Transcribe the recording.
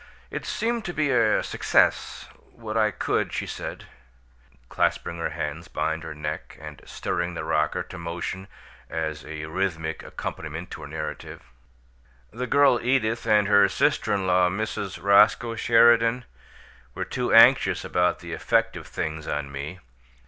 "It seemed to be a success what I could," she said, clasping her hands behind her neck and stirring the rocker to motion as a rhythmic accompaniment to her narrative. "The girl Edith and her sister in law, Mrs. Roscoe Sheridan, were too anxious about the effect of things on me.